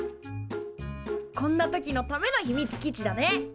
・こんな時のための秘密基地だね。